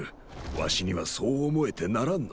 わしにはそう思えてならんのじゃ。